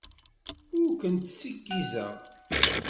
Ur kent-ssiggizeɣ.